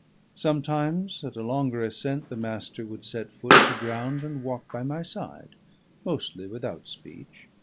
Sometimes, at a longer ascent, the Master would set foot to ground and walk by my side, mostly without speech.